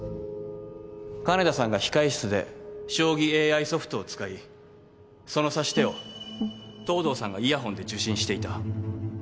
金田さんが控室で将棋ＡＩソフトを使いその指し手を藤堂さんがイヤホンで受信していた。